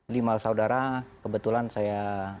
lima bersaudara kebetulan saya